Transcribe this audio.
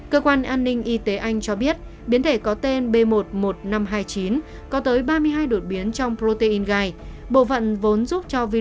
cơ quan an ninh y tế anh cho biết biến thể có tên b một một năm trăm hai mươi chín có tới ba mươi hai đột biến trong protein gai bộ phận vốn giúp cho bệnh nhân